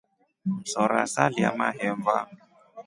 Msora salya mahemba.